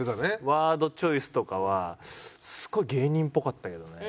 ワードチョイスとかはすごい芸人っぽかったけどね。